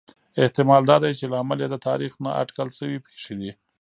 احتمال دا دی چې لامل یې د تاریخ نا اټکل شوې پېښې دي